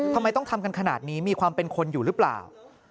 ทำไมต้องทำกันขนาดนี้มีความเป็นคนอยู่หรือเปล่า